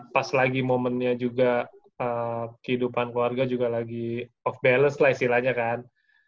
pas lagi momennya juga kehidupan keluarga juga lagi of balance lah istilahnya kan